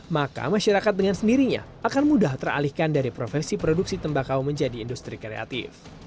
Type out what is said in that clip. maka masyarakat dengan sendirinya akan mudah teralihkan dari profesi produksi tembakau menjadi industri kreatif